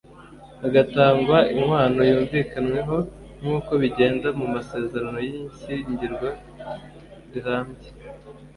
hagatangwa inkwano yumvikanyweho nk’uko bigenda mu masezerano y’ishyingiranwa rirambye.